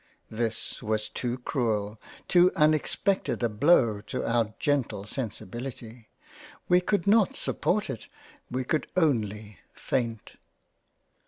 This was too cruel, too un expected a Blow to our Gentle Sensibility — we could not support it — we could only faint.